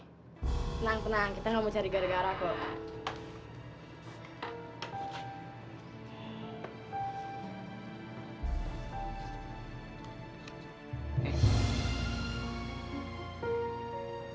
tenang tenang kita gak mau cari gara gara kok